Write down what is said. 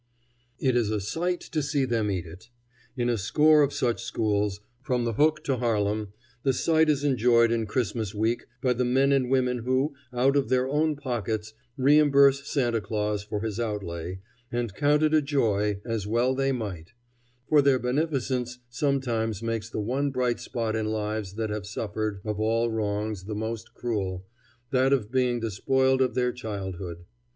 It is a sight to see them eat it. In a score of such schools, from the Hook to Harlem, the sight is enjoyed in Christmas week by the men and women who, out of their own pockets, reimburse Santa Claus for his outlay, and count it a joy as well they may; for their beneficence sometimes makes the one bright spot in lives that have suffered of all wrongs the most cruel that of being despoiled of their childhood.